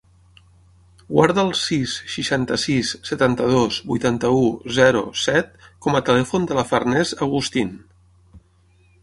Guarda el sis, seixanta-sis, setanta-dos, vuitanta-u, zero, set com a telèfon de la Farners Agustin.